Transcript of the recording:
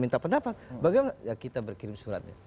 minta pendapat bagaimana ya kita berkirim suratnya